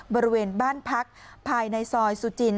บริเวณบ้านพักภายในซอยสุจิน